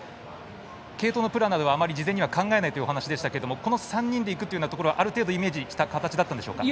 継投のプランなどはあまり事前には考えないというお話でしたがこの３人で行くというところはある程度イメージしていましたか。